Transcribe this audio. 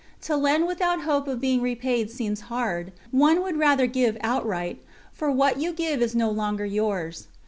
To lend without hope of being repaid seems hard; one would rather give outright, for what you give is no longer yours.